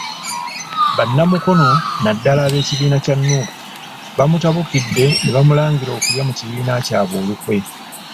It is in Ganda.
Bannamukono naddala ab'ekibiina kya Nuupu baamutabukidde ne bamulangira okulya mu kibiina kyabwe olukwe.